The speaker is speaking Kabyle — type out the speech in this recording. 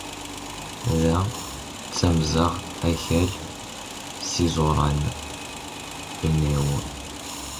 Da ttamZegh akal s iZuRan inw.